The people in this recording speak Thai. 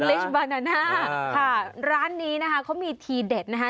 เออสวยนะค่ะร้านนี้นะคะเขามีทีเด็ดนะคะ